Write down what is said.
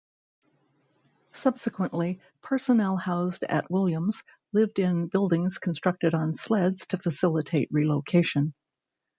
Subsequently, personnel housed at Williams lived in buildings constructed on sleds to facilitate relocation.